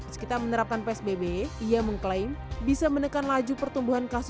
sekitar menerapkan psbb ia mengklaim bisa menekan laju pertumbuhan kasus